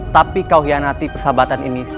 tapi kau hianati persahabatan ini